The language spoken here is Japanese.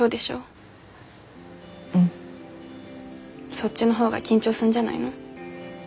そっちの方が緊張すんじゃないの？